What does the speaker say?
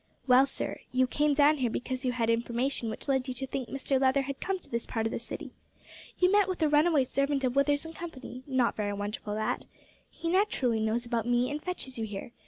Well, sir, you came down here because you had information which led you to think Mr Leather had come to this part of the city. You met with a runaway servant of Withers and Company not very wonderful that. He naturally knows about me and fetches you here.